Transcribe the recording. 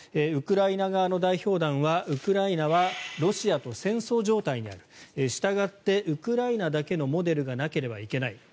ウクライナ側の代表団はウクライナはロシアと戦争状態にあるしたがってウクライナだけのモデルがなければならない